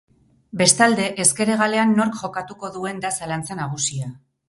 Bestalde, ezker hegalean nork jokatuko duen da zalantza nagusia.